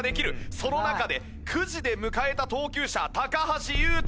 その中でくじで迎えた投球者橋優斗